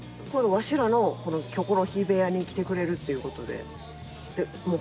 わしらのキョコロヒー部屋に来てくれるっていう事で。